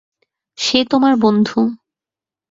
সে তোমার বন্ধু।